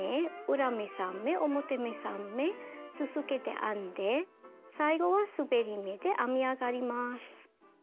裏目３目表目３目続けて編んで最後はすべり目で編み上がります。